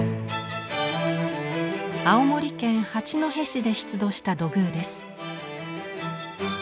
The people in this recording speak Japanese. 青森県八戸市で出土した土偶です。